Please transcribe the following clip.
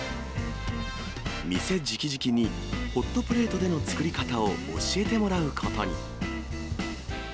店じきじきに、ホットプレートでの作り方を教えてもらうことに。